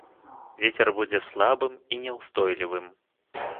Вецер будзе слабым і няўстойлівым.